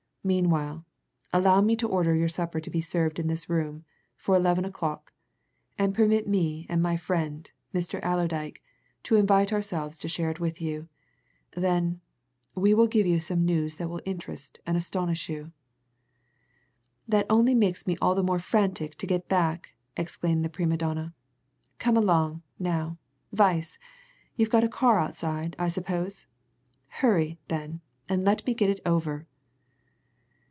Meanwhile, allow me to order your supper to be served in this room, for eleven o'clock, and permit me and my friend, Mr. Allerdyke, to invite ourselves to share it with you. Then we will give you some news that will interest and astonish you." "That only makes me all the more frantic to get back," exclaimed the prima donna. "Come along, now, Weiss you've got a car outside, I suppose? Hurry, then, and let me get it over."